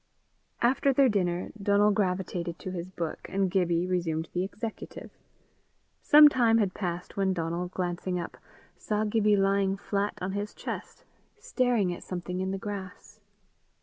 After their dinner, Donal gravitated to his book, and Gibbie resumed the executive. Some time had passed when Donal, glancing up, saw Gibbie lying flat on his chest, staring at something in the grass.